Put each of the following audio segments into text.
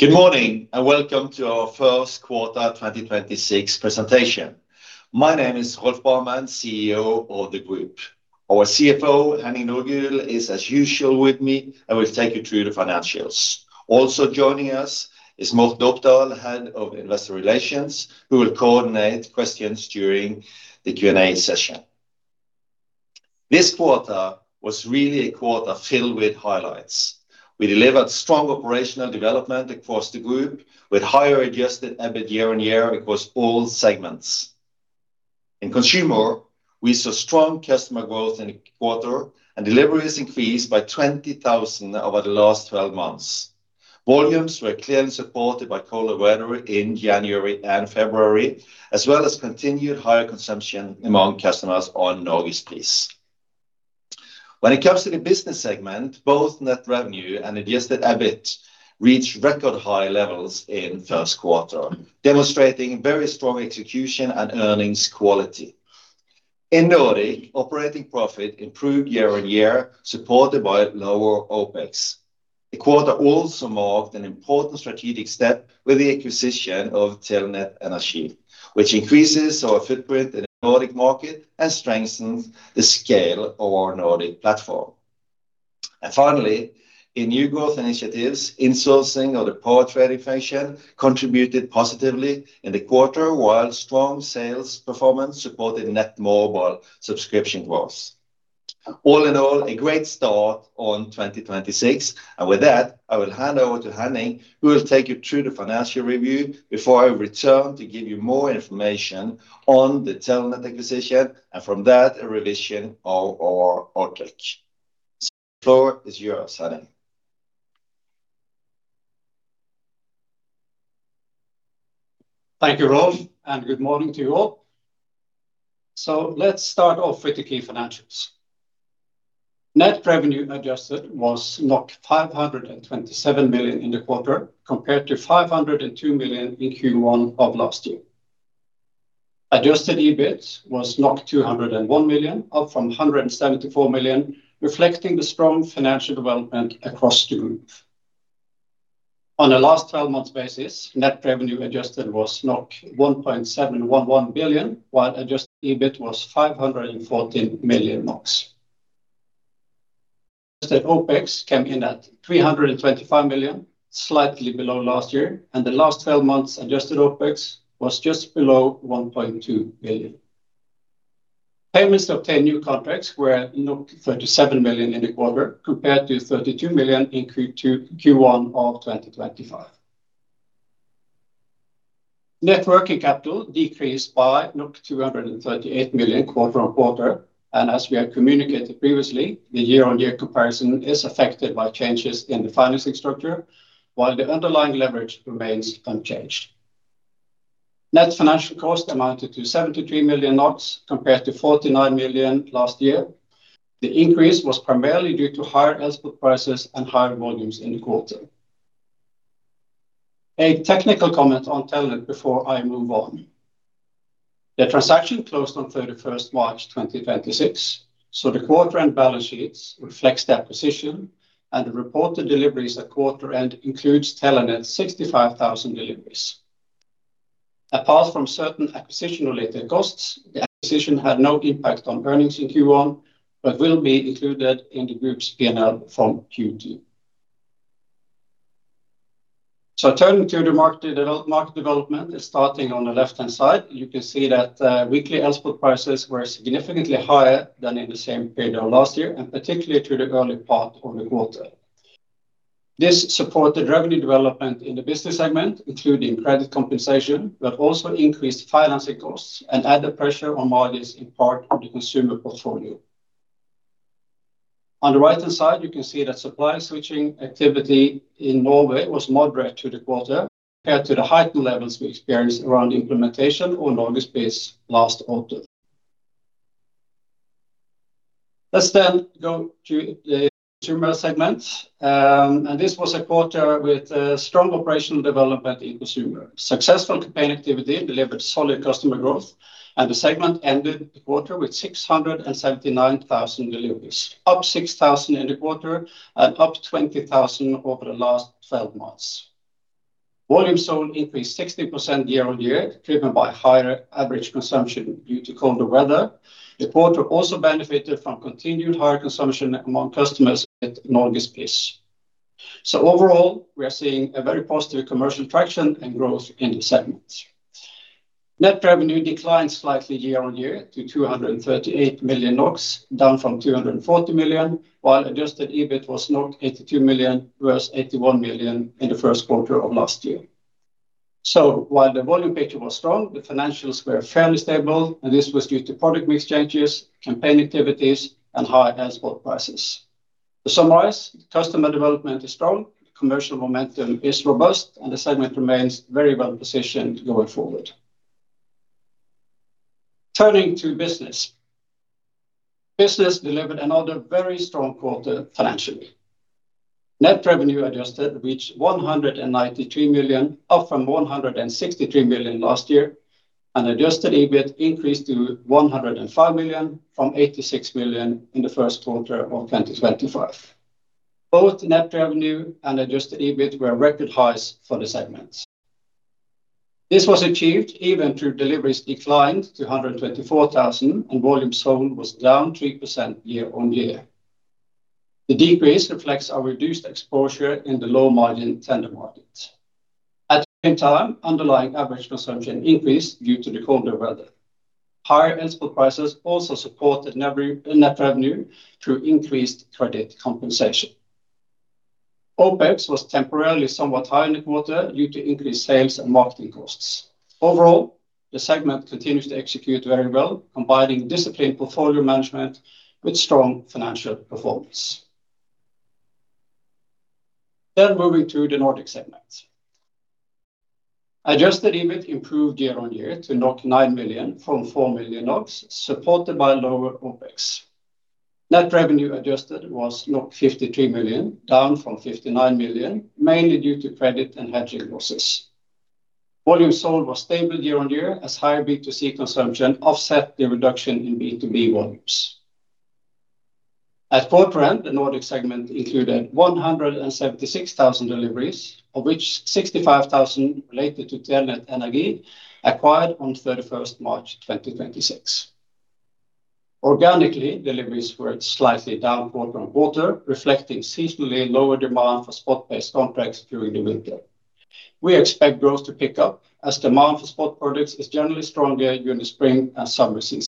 Good morning, welcome to our first quarter 2026 presentation. My name is Rolf Barmen, CEO of the group. Our CFO, Henning Nordgulen, is as usual with me and will take you through the financials. Also joining us is Morten Opdal, Head of Investor Relations, who will coordinate questions during the Q&A session. This quarter was really a quarter filled with highlights. We delivered strong operational development across the group with higher adjusted EBIT year-over-year across all segments. In Consumer, we saw strong customer growth in the quarter and deliveries increased by 20,000 over the last 12 months. Volumes were clearly supported by colder weather in January and February, as well as continued higher consumption among customers on Norgespris. When it comes to the Business segment, both net revenue and adjusted EBIT reached record high levels in first quarter, demonstrating very strong execution and earnings quality. In Nordic, operating profit improved year-on-year, supported by lower OpEx. The quarter also marked an important strategic step with the acquisition of Telinet Energi, which increases our footprint in the Nordic market and strengthens the scale of our Nordic platform. Finally, in New Growth Initiatives, insourcing of the power trading function contributed positively in the quarter, while strong sales performance supported net mobile subscription growth. All in all, a great start on 2026. With that, I will hand over to Henning, who will take you through the financial review before I return to give you more information on the Telinet acquisition and from that, a revision of our outlook. Floor is yours, Henning. Thank you, Rolf, and good morning to you all. Let's start off with the key financials. Net revenue adjusted was 527 million in the quarter, compared to 502 million in Q1 of last year. Adjusted EBIT was 201 million, up from 174 million, reflecting the strong financial development across the group. On a last 12 months basis, net revenue adjusted was 1.711 billion, while adjusted EBIT was 514 million NOK. Adjusted OpEx came in at 325 million, slightly below last year, and the last 12 months adjusted OpEx was just below 1.2 billion. Payments to obtain new contracts were 37 million in the quarter, compared to 32 million in Q1 of 2025. Net working capital decreased by 238 million quarter-on-quarter. As we have communicated previously, the year-on-year comparison is affected by changes in the financing structure, while the underlying leverage remains unchanged. Net financial cost amounted to 73 million compared to 49 million last year. The increase was primarily due to higher elspot prices and higher volumes in the quarter. A technical comment on Telinet before I move on. The transaction closed on 31st March 2026, so the quarter and balance sheets reflects the acquisition and the reported deliveries at quarter end includes Telinet 65,000 deliveries. Apart from certain acquisition-related costs, the acquisition had no impact on earnings in Q1, but will be included in the group's P&L from Q2. Turning to the market development, starting on the left-hand side, you can see that weekly elspot prices were significantly higher than in the same period of last year, and particularly through the early part of the quarter. This supported revenue development in the Business segment, including credit compensation, but also increased financing costs and added pressure on margins in part of the Consumer portfolio. On the right-hand side, you can see that supply switching activity in Norway was moderate through the quarter compared to the heightened levels we experienced around implementation on Norgespris last autumn. Go to the Consumer segment. This was a quarter with strong operational development in Consumer. Successful campaign activity delivered solid customer growth. The segment ended the quarter with 679,000 deliveries, up 6,000 in the quarter and up 20,000 over the last 12 months. Volumes sold increased 60% year-on-year, driven by higher average consumption due to colder weather. The quarter also benefited from continued higher consumption among customers at Norgespris. Overall, we are seeing a very positive commercial traction and growth in the segment. Net revenue declined slightly year-on-year to 238 million NOK, down from 240 million, while adjusted EBIT was 82 million versus 81 million in the first quarter of last year. While the volume picture was strong, the financials were fairly stable, and this was due to product mix changes, campaign activities, and high elspot prices. To summarize, customer development is strong, commercial momentum is robust, and the segment remains very well positioned going forward. Turning to Business. Business delivered another very strong quarter financially. Net revenue adjusted reached 193 million, up from 163 million last year. Adjusted EBIT increased to 105 million from 86 million in the first quarter of 2025. Both net revenue and adjusted EBIT were record highs for the segment. This was achieved even though deliveries declined to 124,000, and volume sold was down 3% year-on-year. The decrease reflects our reduced exposure in the low-margin tender market. At the same time, underlying average consumption increased due to the colder weather. Higher input prices also supported net revenue through increased credit compensation. OpEx was temporarily somewhat higher in the quarter due to increased sales and marketing costs. Overall, the segment continues to execute very well, combining disciplined portfolio management with strong financial performance. Moving to the Nordic segments. Adjusted EBIT improved year-on-year to 9 million from 4 million NOK, supported by lower OpEx. Net revenue adjusted was 53 million, down from 59 million, mainly due to credit and hedging losses. Volume sold was stable year-on-year as higher B2C consumption offset the reduction in B2B volumes. At quarter end, the Nordic segment included 176,000 deliveries, of which 65,000 related to Telinet Energi acquired on 31st of March, 2026. Organically, deliveries were slightly down quarter-on-quarter, reflecting seasonally lower demand for spot-based contracts during the winter. We expect growth to pick up as demand for spot products is generally stronger during the spring and summer season.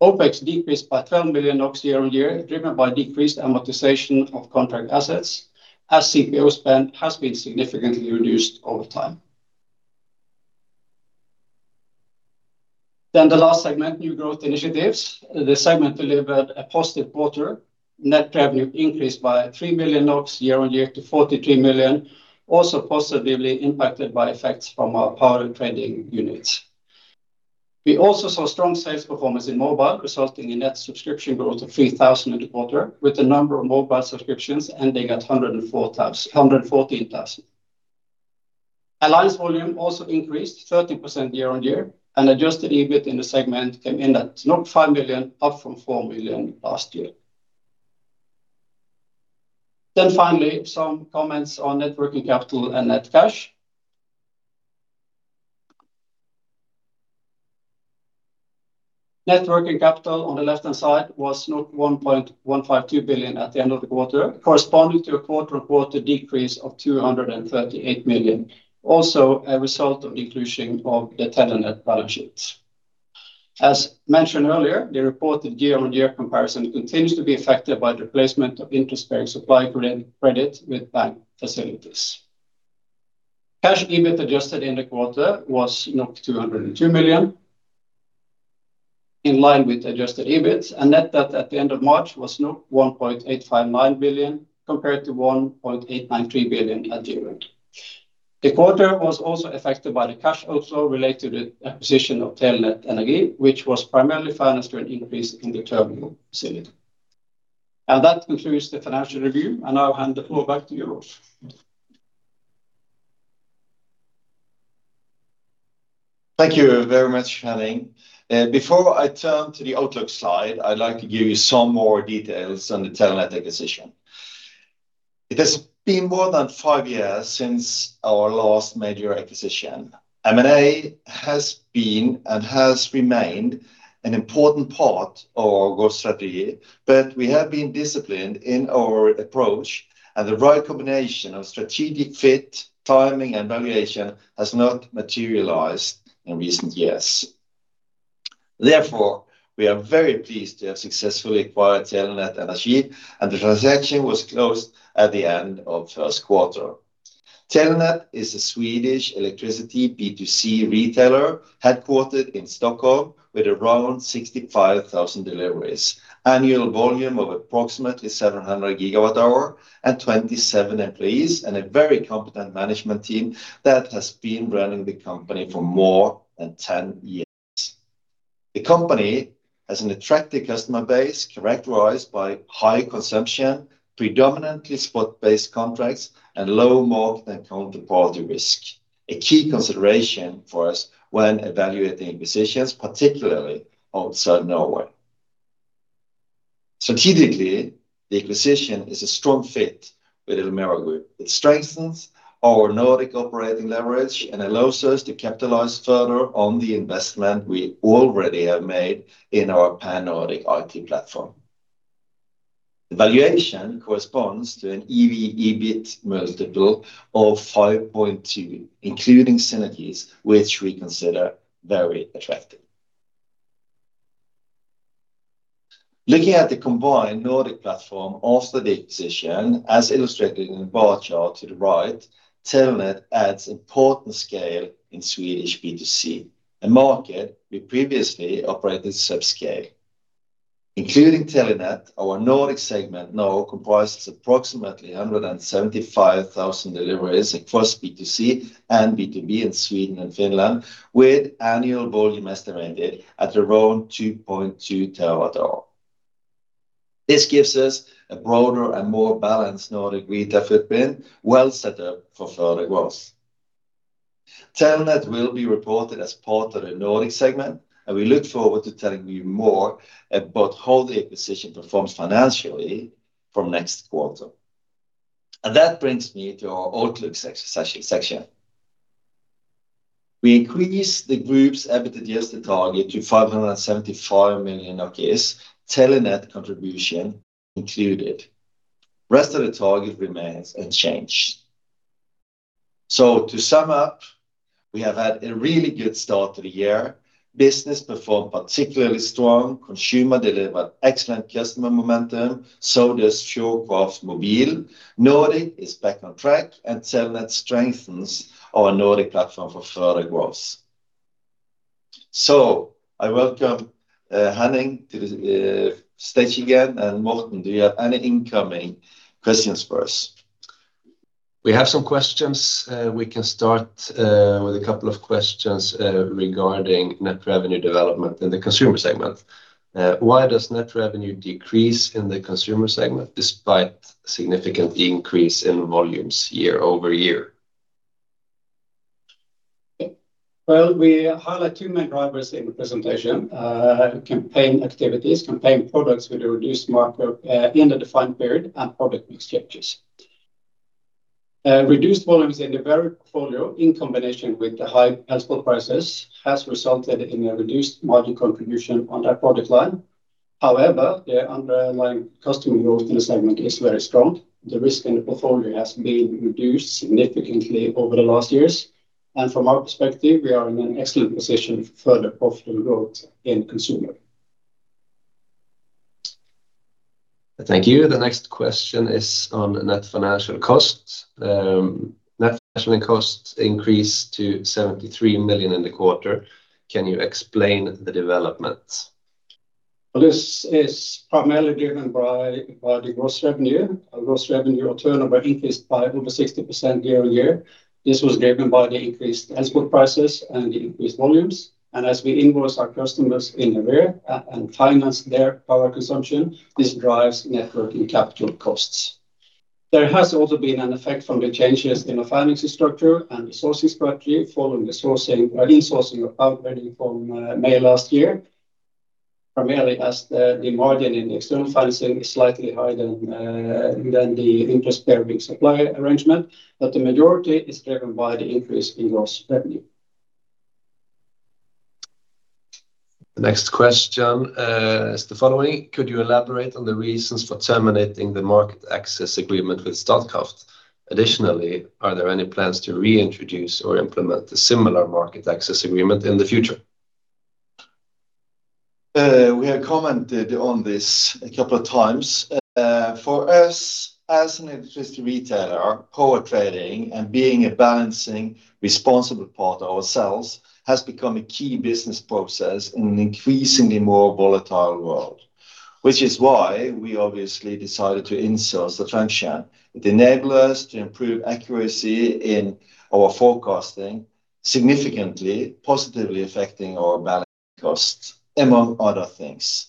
OpEx decreased by 12 million NOK year-over-year, driven by decreased amortization of contract assets as CPO spend has been significantly reduced over time. The last segment, New Growth Initiatives. The segment delivered a positive quarter. Net revenue increased by 3 million NOK year-over-year to 43 million, also positively impacted by effects from our power trading units. We also saw strong sales performance in mobile, resulting in net subscription growth of 3,000 in the quarter, with the number of mobile subscriptions ending at 114,000. Alliance volume also increased 13% year-over-year, and adjusted EBIT in the segment came in at 5 million, up from 4 million last year. Finally, some comments on net working capital and net cash. Net working capital on the left-hand side was 1.152 billion at the end of the quarter, corresponding to a quarter-over-quarter decrease of 238 million, also a result of the inclusion of the Telinet balance sheet. As mentioned earlier, the reported year-over-year comparison continues to be affected by the replacement of interest-bearing supply credit with bank facilities. Cash EBIT adjusted in the quarter was 202 million, in line with adjusted EBIT, and net debt at the end of March was 1.859 billion, compared to 1.893 billion at year end. The quarter was also affected by the cash outflow related to the acquisition of Telinet Energi, which was primarily financed through an increase in the term loan facility. That concludes the financial review. I'll hand it over back to you, Rolf. Thank you very much, Henning. Before I turn to the outlook slide, I'd like to give you some more details on the Telinet acquisition. It has been more than five years since our last major acquisition. M&A has been and has remained an important part of our strategy. We have been disciplined in our approach and the right combination of strategic fit, timing, and valuation has not materialized in recent years. We are very pleased to have successfully acquired Telinet Energi, and the transaction was closed at the end of first quarter. Telinet is a Swedish electricity B2C retailer headquartered in Stockholm with around 65,000 deliveries, annual volume of approximately 700 GWh and 27 employees, and a very competent management team that has been running the company for more than 10 years. The company has an attractive customer base characterized by high consumption, predominantly spot-based contracts, and low counterparty risk, a key consideration for us when evaluating acquisitions, particularly outside Norway. Strategically, the acquisition is a strong fit with Elmera Group. It strengthens our Nordic operating leverage and allows us to capitalize further on the investment we already have made in our pan-Nordic IT platform. The valuation corresponds to an EV/EBIT multiple of 5.2x, including synergies, which we consider very attractive. Looking at the combined Nordic platform after the acquisition, as illustrated in the bar chart to the right, Telinet adds important scale in Swedish B2C, a market we previously operated subscale. Including Telinet, our Nordic segment now comprises approximately 175,000 deliveries across B2C and B2B in Sweden and Finland, with annual volume estimated at around 2.2 TWh. This gives us a broader and more balanced Nordic retail footprint, well set up for further growth. Telinet will be reported as part of the Nordic segment. We look forward to telling you more about how the acquisition performs financially from next quarter. That brings me to our outlook section. We increase the group's EBITDA target to 575 million, Telinet contribution included. Rest of the target remains unchanged. To sum up, we have had a really good start to the year. Business performed particularly strong. Consumer delivered excellent customer momentum. So does Fjordkraft Mobil. Nordic is back on track. Telinet strengthens our Nordic platform for further growth. I welcome Henning to the stage again. Morten, do you have any incoming questions for us? We have some questions. We can start with a couple of questions regarding net revenue development in the Consumer segment. Why does net revenue decrease in the Consumer segment despite significant increase in volumes year-over-year? Well, we highlight two main drivers in the presentation. Campaign activities. Campaign products with a reduced market in the defined period and product mix changes. Reduced volumes in the variable portfolio in combination with the high transport prices, has resulted in a reduced margin contribution on that product line. The underlying customer growth in the segment is very strong. The risk in the portfolio has been reduced significantly over the last years, and from our perspective, we are in an excellent position for further profitable growth in Consumer. Thank you. The next question is on net financial cost. Net financial cost increased to 73 million in the quarter. Can you explain the development? This is primarily driven by the gross revenue. Our gross revenue or turnover increased by over 60% year-over-year. This was driven by the increased elspot prices and the increased volumes. As we invoice our customers and finance their power consumption, this drives net working capital costs. There has also been an effect from the changes in our financing structure and recourse structure following the sourcing or insourcing of power trading from May last year. Primarily as the margin in the external financing is slightly higher than the interest-bearing supply arrangement, but the majority is driven by the increase in gross revenue. The next question, is the following: Could you elaborate on the reasons for terminating the market access agreement with Statkraft? Additionally, are there any plans to reintroduce or implement a similar market access agreement in the future? We have commented on this a couple of times. For us as an electricity retailer, power trading and being a balancing responsible party ourselves, has become a key business process in an increasingly more volatile world. Which is why we obviously decided to insource the function. It enabled us to improve accuracy in our forecasting, significantly positively affecting our balancing costs, among other things.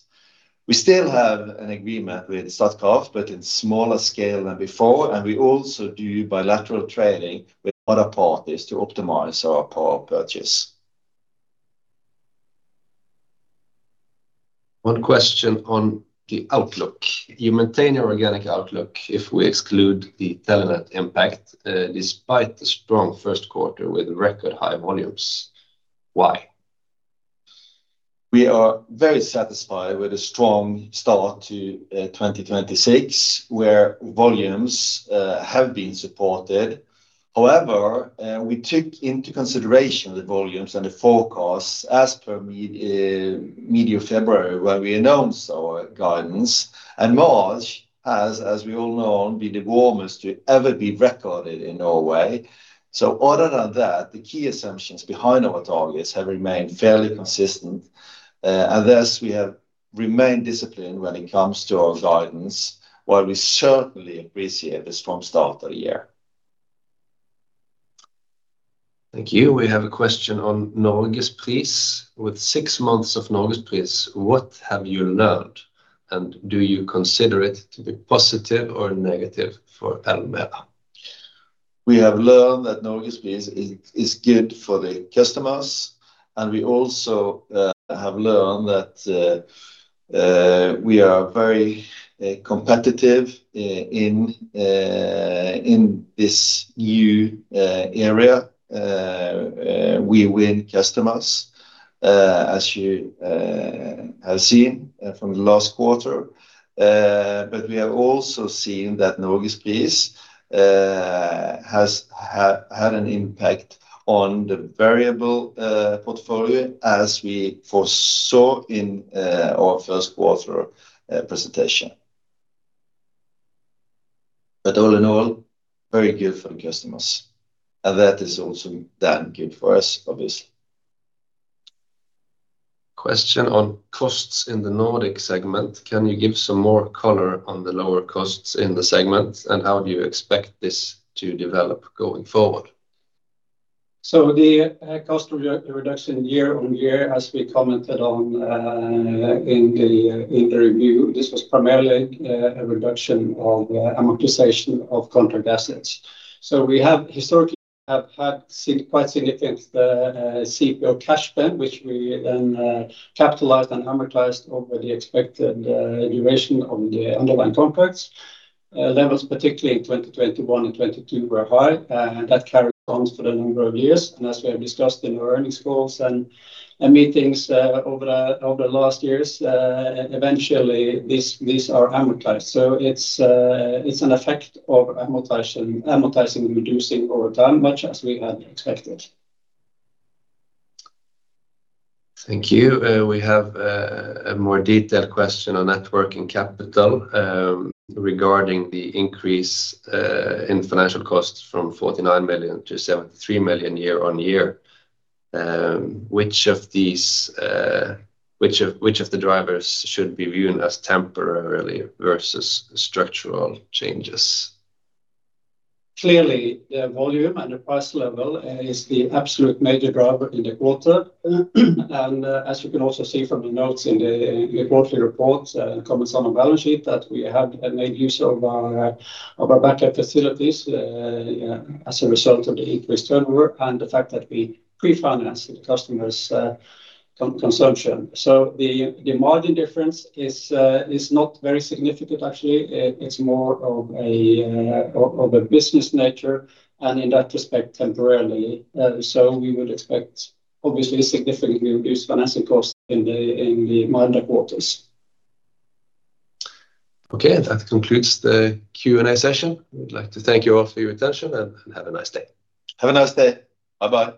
We still have an agreement with Statkraft, but in smaller scale than before, and we also do bilateral trading with other parties to optimize our power purchase. One question on the outlook. You maintain your organic outlook if we exclude the Telinet impact, despite the strong first quarter with record high volumes. Why? We are very satisfied with the strong start to 2026, where volumes have been supported. However, we took into consideration the volumes and the forecasts as per mid-February when we announced our guidance. March has, as we all know, been the warmest to ever be recorded in Norway. Other than that, the key assumptions behind our targets have remained fairly consistent. Thus, we have remained disciplined when it comes to our guidance, while we certainly appreciate the strong start of the year. Thank you. We have a question on Norgesprisen. With six months of Norgesprisen, what have you learned, and do you consider it to be positive or negative for Elmera? We have learned that Norgesprisen is good for the customers. We also have learned that we are very competitive in this new area. We win customers, as you have seen from the last quarter. We have also seen that Norgesprisen has had an impact on the variable portfolio as we foresaw in our first quarter presentation. All in all, very good for the customers, and that is also damn good for us, obviously. Question on costs in the Nordic segment. Can you give some more color on the lower costs in the segment, and how do you expect this to develop going forward? The cost re-reduction year-on-year, as we commented on in the review, this was primarily a reduction of amortization of contract assets. We have historically have had quite significant CPO cash spend, which we then capitalized and amortized over the expected duration of the underlying contracts. Levels particularly in 2021 and 2022 were high, and that carried on for a number of years. As we have discussed in our earnings calls and meetings over the last years, eventually these are amortized. It's an effect of amortization, amortizing and reducing over time, much as we had expected. Thank you. We have a more detailed question on net working capital, regarding the increase in financial costs from 49 million to 73 million year on year. Which of the drivers should be viewed as temporarily versus structural changes? Clearly, the volume and the price level is the absolute major driver in the quarter. As you can also see from the notes in the quarterly report, comments on our balance sheet that we have made use of our backup facilities as a result of the increased turnover and the fact that we pre-financed the customers' consumption. The margin difference is not very significant actually. It's more of a business nature and in that respect temporarily. We would expect obviously significantly reduced financing costs in the milder quarters. Okay, that concludes the Q&A session. We'd like to thank you all for your attention, and have a nice day. Have a nice day. Bye-bye.